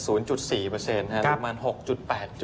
สูงมา๖๘